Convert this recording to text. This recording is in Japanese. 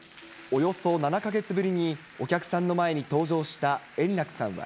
およそ７カ月ぶりに、お客さんの前に登場した円楽さんは。